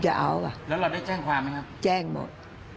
แจ้งหมด